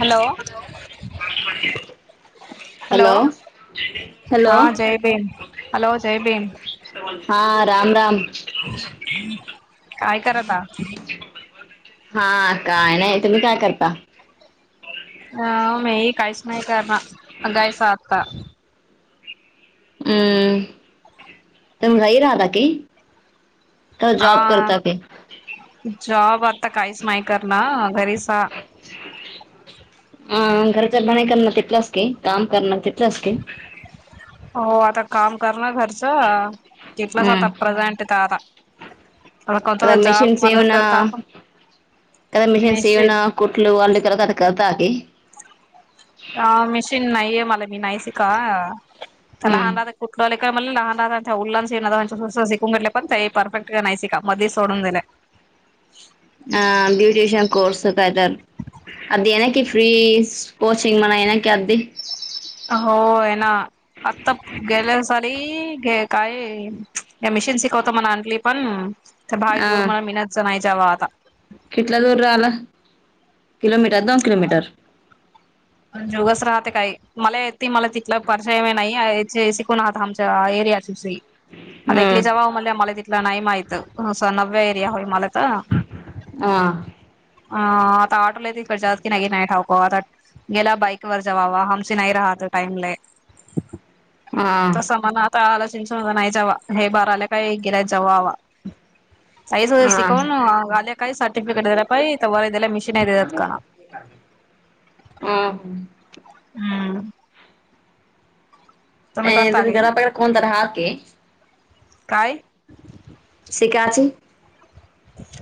Hello hello, hello हा जय Bhim hello जय भीम हा राम, राम काय कराला हा काय नाही तुम्ही काय करता? अ म काहीच नाही करणार गायच आत्ता हम्म [unintelligible] का जॉब हा, करता की जॉब आता काहीच नाही करना घरीच हा. [unintelligible] अ घरच बणाई करणार तिथलाच की, काम करणार तिथलंच की. हो, आता काम करणार घरच, तिथल काय हम्म आता प्रेझेंट काय आता- आता कोणता [unintelligible] जॉब मशीन सव मला ना करता आपण ते मशीन सवू मेसेज ना [unintelligible] कुठल वालेकरला [unintelligible] ताकी ह मशीन नाहीये मला मी नाही शीका, त्या हम्म लहान- कुठलंय मला लहान लहानं शिकून [unintelligible] घेतले पण ते परफेक्ट नाही शिका. मध्ये सोडून दिले. हा, ब्युटिशिन कोर्स [unintelligible] कायतर. अप येकी फ्री कोचिंग म्हणाक अबी. [unintelligible] हो आहे ना. आता गेले साली काय मशीन शिकवत म [unintelligible] ण आणली पण- तर भाई दूर मला मिनतच नाही जावा आता. किठला दूर राहिला. किलोमीटर, दोन किलोमीटर. जवसच राहते काय, मला येत ती मला तिथला परचयम नाही शिकून आहात आमच्या एरियाची. आता एकली जव म्हणल्या मला तिथलं नाही माहित, अस नव्या एरिया होई मला तर. हा. [unintelligible] गेला बाईक वर जवावा, हमसे नाही राहत टाईमले. [inaudible] तसं मण आता आला चिंच नाही जावा, हे बार आल्या काही गेलायत जावावा. साईज वगैर शिकवून आल्या काही सर्टिफिकेट दिला पाहि, तवा तीला मशीन देतात का? [unintelligible] हम्म. तुम्ही करता अ का घरा प [unintelligible] कोणतर हाकी. काय? शिकायची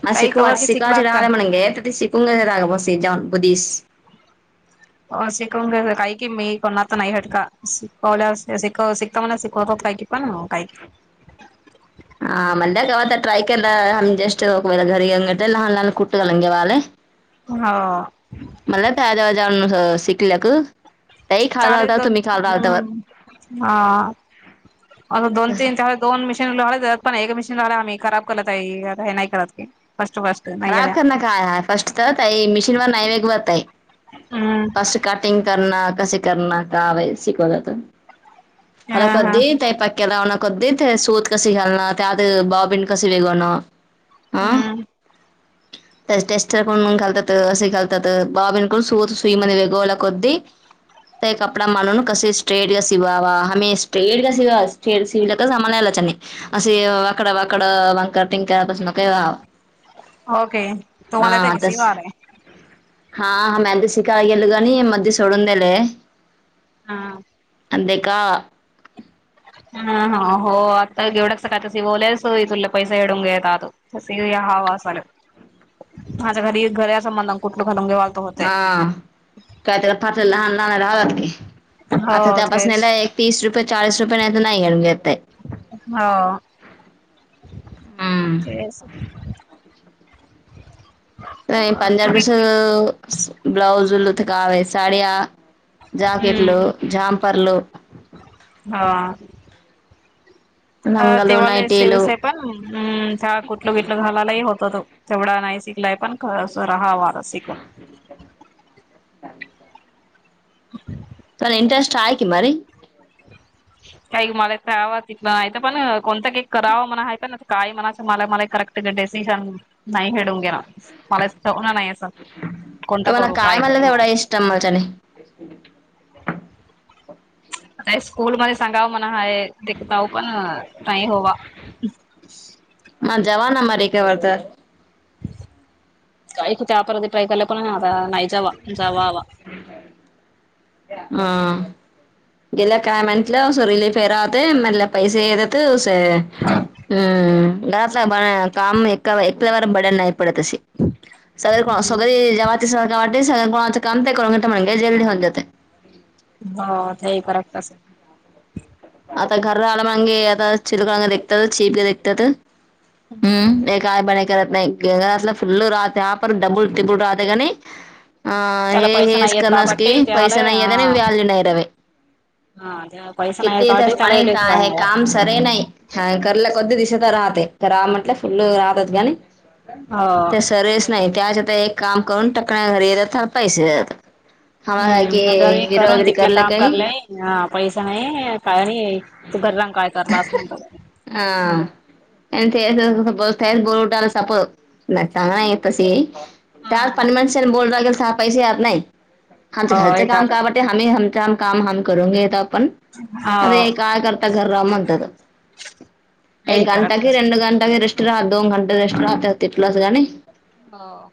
म काही कवर शिकवाू कि शिकायची शिकलात का राहिला म्हणून घ [unintelligible] [unintelligible] [unintelligible] पण म काय. ह म्हटल कवातर ट्राय केला जस्टवेेला घरी [unintelligible] लहान, लहान [unintelligible] हो. मला त्याज्यावा जान शिकल्या क [unintelligible] ले दोन [unintelligible] हा म दोन तीन त्या दोन मशीन लले पण एक मशीन लाला आम्ही खराब करत आहे हे नाही करत की फर्टू फट [unintelligible] खराब कर ना काय ह फर्स्ट तरई मिशीन व नाही वेग बत आहे. हम्म फस्ट कटिंग करण, कसे करणं, काव शिकवल जात. हा हला हा कधे तय पक- केलावण कदी ते सूत कशी घालण त्या आत भावबीण कशी [unintelligible] हा हम्म. त्या टेस्टरून घालतात असे घालतात बाबीनकून सु सुई ममध्ये वेगला क [unintelligible] ते कपडा मानून कसे- स्ट्रेट ग शिवा आमे स्टेट ग शिवा स्ट्रेट सिवला का सममालायलाचंनी [unintelligible] असे वाकडा वाकडं वांकर टिंकपासून काही- तस [unintelligible] हा, हा. मॅद शिका गेल ग नी, म ती सोडून देेले. हा. दे का? हा, हा. हो आता एवढा [unintelligible] पैसा [unintelligible] [unintelligible] हा काय त्याला [unintelligible] लहान लहानला हवात की. आता हो तपासणी तेच लाय. तीस रुपये, चाळीस रुपये. नाही तर नाही घेऊन घेतय. हा. तेच की. [inaudible] नाही, पंजाब कसं, ब्लाऊज [unintelligible] साड्या. जाकेटल, हम्म झामपर्ल. हा. अ तेव्हा लय शेवे सा पण कुठल कुटल घालायला ही होत होतं. तेवढा नाही शिकलाय. पण [unintelligible] राहावा शिकून. [inaudible] [inaudible] त इंटरेस्ट हाय की, मरीन. काय मला करावा ति पण कोणतां, केक करावा? म्हणा आहे का ना काय म्हणायं. मला मला कराक्. डसिजन नाही हडूंगे. [unintelligible] मला नाही. कोणता करू? काय करू? [unintelligible] [inaudible] आता स्कूल मध्ये सांगावं म्हणा हय. तेकताऊ पण, नाही होवा. माझ जवाना, म र का वारत. काही कुठ? अपराधी ट्राय करलं, पण आ नाही जावा जावा वा. हं. गेल्या काय म्हटलं. सुरिली फेराहते. मला पैसे येत [unintelligible] [unintelligible] [unintelligible] हो. ते करा तस. आता घर्रआल्या मागे, आता चिलकग देखतात. चीप देखतात. हम्म. एक काय पणे करत नाही. गला फुल्ल राते, आपर डबुल- तिबल राते काणी अ त्याला हे पैसे हेच नाही आहेत करणारस की काबट्टी त्याला पैसे नाही आहेेत. नाही वॅल्यू नाही रवे. हा त्या पैस किती तर फणे काय है काम. सरे नाही. ह कर्ला कोद दिशे तर राहते. त राव म्हटे फुल् रातात गणी त्या सरेच नाही. त्याच आता एक काम करून टाकण्या घरी थरपायचे. हम्म जरी करून तिथलं काम [unintelligible] हा [unintelligible] [unintelligible] [unintelligible] काम हा हो एक हम करून गेेता पण हा. अं कायकर्ता घरातलं एक हे गंट करत की रे गंटा कं रं राहतं दोन घंटं रेस्ट राहतांत तिथलाच गं नाहीं हो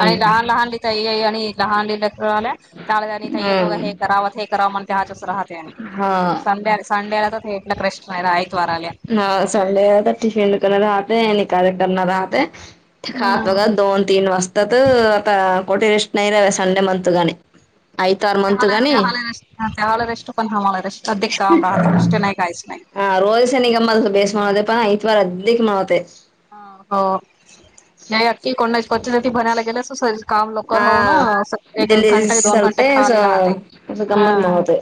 आणि लहांन लहांन लिहिता येई आणि लहांन लिहिल्यां तरं आल्यां तादारीथ येतो हम्म हे करावं ते करावं म्हणते त्यां हच्यांच राहते आणि हा संडे आंला संडेला तरं थेटलां प्रश्न नाहीं ऐतं वारां आल्यां हं संडे तरं टिफिन दुकानं राहते निकांल करणारं राहते खातं हम्म बघां दोन तीनं वाजतांत आंता कोठे रेसं नाहीं रे संडे मणं तुं गाणें चहा चहा रं चहांला रेष्टं पणं ह्हांला रं अधिक कामं राहतं रेष्ट नाहीं काहींचं नाहीं हां रोज सं निगम ते बेसं म्हणवते पणं इतवार अधिक माणवते हं हो नाहीं अखी को परति बनांयला गेलं असं हंहं ली दोन घंटा सलते खाली असं राहते असं हा गंमत महतेय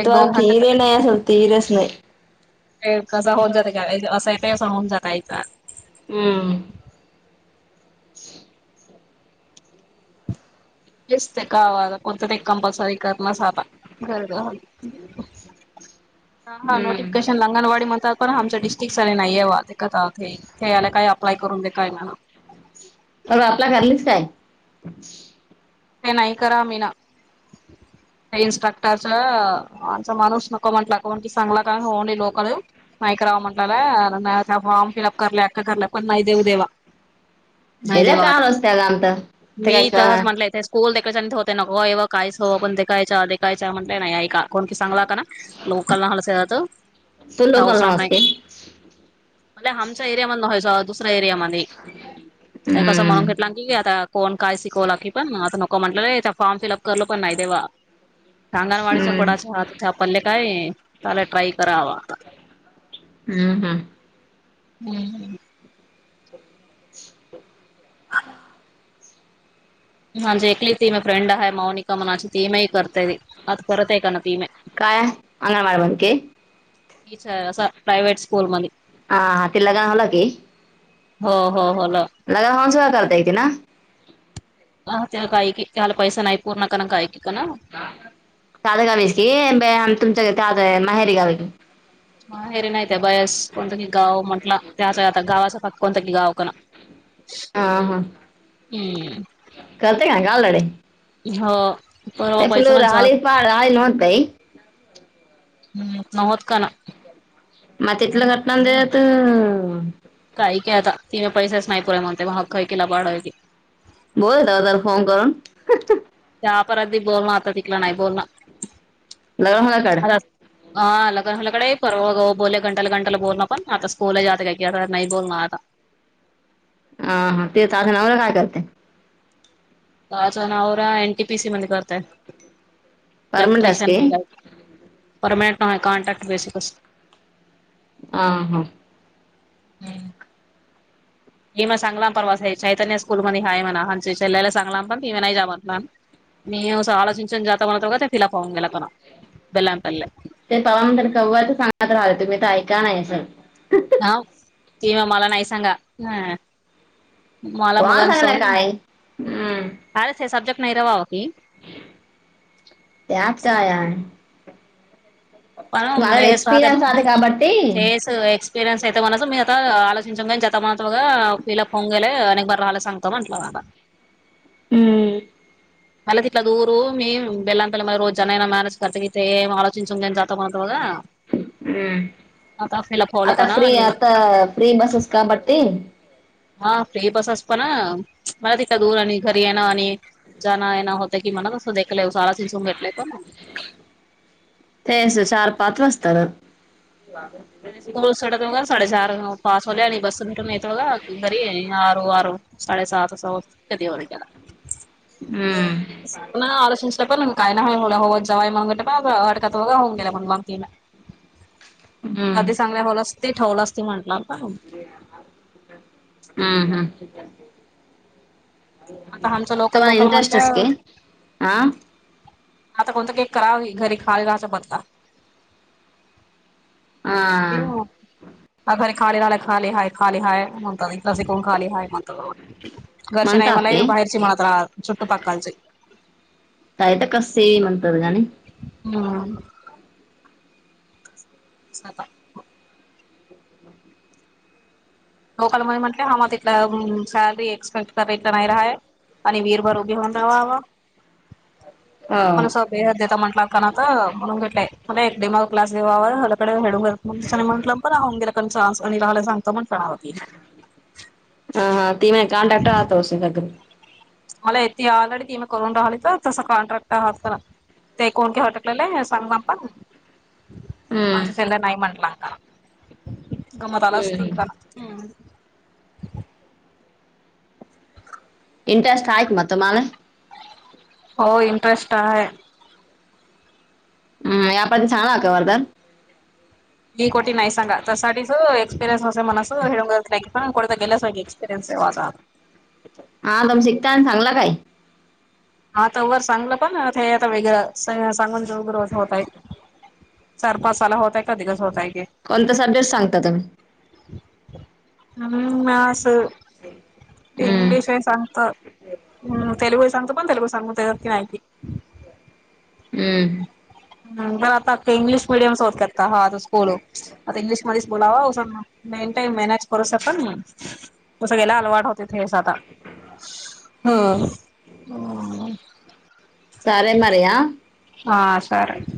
एक दोन घंटे ती रे नाहीं असलं तरी चं नाहीं कसां होऊन जाते कां असं येतं असं होऊन जातांयचा हम्मं ह [inaudible] [unintelligible] दिसतं कावांता कोणतं ते कंपल्सरी करण्यांस आंता गरं झां हां हां हम्म नोटिफिकेशन आंगणवाडी म्हणतांत पणं आमच्यां डिस्ट्रिक्टटचाले नाहीये वां ते कथं यायंला कायं अप्ला करूंन दे कायं म्हंटला मंग आपल्यां घरलीचं कायं ते नाहीं करां मी नं ह [inaudible] [unintelligible] इन्स्ट्रक्टरच आमचां माणूंस नको म्हंटला कां म्हंण की सांगला कायं हो नाहीं लोकं नाहीं करांवा म्हटलंला त्यां फॉर्म फिलअप करले अलं पणं नाहीं देऊं देलां बलां काहारं असस्तगत कांत स्ल देखयच्यां ते होते नको एव कायंच हो पणं खायचं देखायच म्हंटय नाहीं एकां कोण कं चांगला कां नां लोकांना हलांत तू रावंस लोकल राम नाहीं नसते मं आमच्यां एरिया मध्यें दुसऱ्यां एरिया मध्यें कसं हम्म. म्हणूंन घलं आंता कोणं कायं शिकवंला की पणं आं म्हटलं र फॉर्म फिलअप करलो पणं नाहीं देवा आंगणवाडीचा हम्म पडायचं हातं आपल्याले कायं सर्व ट्राय करांवा हम्मं हम्मं हम्मं हं हांजे एकली ती मे फ्रेंड आहे माौनिका म्हणांज तीमेही करतेय आंता करतं आहे कां नां ती मे कायं अंगणवा बणं की हीचं आहे असां प्रायवेट स्कूंल मध्यें हं हां तिला जांवा लागेल की हो हो हो लं लगां हचवां करतायती नां हां त्यां गायकी त्यांला पैसा नाहीं पूर्ण कां नां गायकी कां नां ताजं गावीस की तुमच्यां ताजं माहेरी गांवी की माहेरी नाहीत आहे बयांस कोणतं की गावं म्हटलं त्यांचा आंता गावांचा फक्तं कोणतं की गावं कां नां हां हां हम्म करते कां गावं लडे हो परवा ते फल पैसा ना राले जात पां राली नतई हम्मं नव होतं कानां मं तिथलं घटनां देत काही काय आता ति म पैसेच नाही पुरे म्हणते मग खै किला पाढायती. बोल दादाला फोन करून. तेव्हा पण [unintelligible] बोलण आता तिकला नाही बोलण लग्न होला काड आता. हा लग ह लकड पर बोलले घंटाला घंटाला बोलणं पण आता स्कूल जात काय की आता नाही बोलण आता. अ हा ते चाल ना मग नवरा काय करते. काज नव रा एनटी पी सी मध्येकरतय. परमनंट आहेस इलेक्ट्रिशियन की नाही परमानंटनाही कॉन्ट्रॅक्ट बेसिकस. ह हां! हे मग सगलाम परवास हे चैतन्य स्कूल मध्ये हाय म्हणा म्हणाला सांगलाम पण ती म नाही जाव म्हत मी स आलचचून जात म्हणातो क ते फिलापव गेलातान बेल्लां पल्ले. ते पावानंतर कह तर सांगत राहाले तुम्ही तर ऐका नाहीयल. नाव सीमा मला नाहीयसांगा ह. मला कोणाला मगन स सांगलं काय हम्म कारच हे सब्जेक्ट नाही रवावा की. त्यात सो काय हाय. पणस बाये साधा एक्सपिरियन्स तेच. एक्सपरियनस म्हनस मी आता आलोच आणि जता मत फीलअप होव गेलालं आणि बर रालेला सांतमंला सांगतो वाला. हम्म! मलात इला दर मी बेलानंतला म रोज जन ना मानस. [unintelligible] हम्म! आता फ्री आता फ्री बसेस काबटी. हा फ्री बसस पण अ मला तिकं दूर आणि घरी येणं आणि जना ये न होतं की म्हणा तसंखलंय सारा चिंचून घेटय पण तेच चार पाच वाजताना. स्कूल सो दोघंच. साडेचार पास होले आणि बसठ येतो का घरी आर आर साडेसात अस हो. कधी वर केला. हम्म. [unintelligible] अदी चांगल्या होलस ते ठेवलं अस त म्हटलं. हम्म हम्म. आता आमचं लोकल तुम्हाला लोकल इंटरेस्टच की. म्हटलं आता कोणतं केक कराववी घरी खाल घायच्या पत्ता. [unintelligible] [unintelligible] घरचे नाही म्हणतात मला की बाहेरचे मलात रा चुट्ट काकांचे. तय तर कसे म्हणतात गणी. हा. [unintelligible] लोकल म म्हटले हा तिथ सॅलरी एक्सपेक्ट करला नाही राहाय. आणि वीरभरूभी हो वा वा. आणि [unintelligible] म्हटलं पण राहून गेलाण स आणि राहायला सांगत म्हण काणा होती. ह हा तिम कानडाक्ट आ तो स घगरू. मला येते आऑलरेडी ती मी करून राहिली तर तस कॉन्ट्रॅक्ट आहात ना. ते कोणते्या हॉटेलले [unintelligible] सांग पण आचं चलं नाही म्हटला का. ग [unintelligible] मत आला असते पण हम्. इंट्रेस्ट आहे म तुम्हाला? हो इंटरेस्ट आहे. हम्, या आपण छान का वरदर. मी कोटी नाही सांगा त्यासाठीच एक्सपिरियन्स होते [unintelligible] म हेि. हां कोडत गलासग एक्परयनस याव आ [unintelligible] हा तम शिकता आणि सांगला काय [unintelligible] हा तर वर चांगलं पण ते आता वगरं सांगून रग्र होतय. चारपासाला होतय कधीकच होतय की. कोणता सब्जेट सांगात तुम्ही. हम्म, म अस. इंग्लिश हे सांगत. हम, तेलगु सांगत पण तेलगू सांगू देता की नाही. हम्. तर आता इंग्लिश मिडियम सोडतात का? हा आता स्कूल आता इंग्लिशमध्ये बोलावां मेन टाईम मॅनेज करू शकत मी तसं गेला अलवाट होत. तेथेच आता. चालेल मला या. हा चालेल.